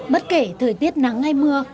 bất kể thời tiết nắng hay mưa